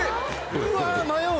うわ迷う！